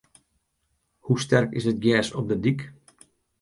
Hoe sterk is it gjers op de dyk?